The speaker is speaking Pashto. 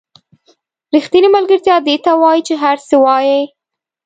ریښتینې ملګرتیا دې ته وایي چې هر څه وایئ.